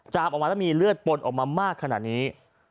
ออกมาแล้วมีเลือดปนออกมามากขนาดนี้